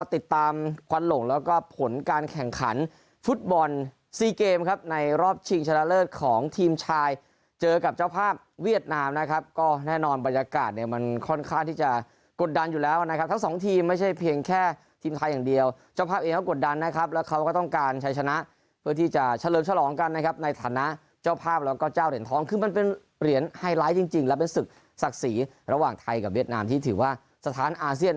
ติดตามควันหลงแล้วก็ผลการแข่งขันฟุตบอลซีเกมครับในรอบชิงชนะเลิศของทีมชายเจอกับเจ้าภาพเวียดนามนะครับก็แน่นอนบรรยากาศเนี่ยมันค่อนข้างที่จะกดดันอยู่แล้วนะครับทั้งสองทีมไม่ใช่เพียงแค่ทีมไทยอย่างเดียวเจ้าภาพเองก็กดดันนะครับแล้วเขาก็ต้องการชายชนะเพื่อที่จะเฉลิมชะลองกันนะครับใ